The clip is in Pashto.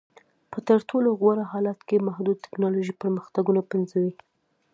په تر ټولو غوره حالت کې محدود ټکنالوژیکي پرمختګونه پنځوي